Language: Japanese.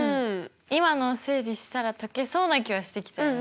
今のを整理したら解けそうな気はしてきたよね。